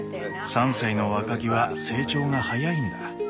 ３歳の若木は成長が早いんだ。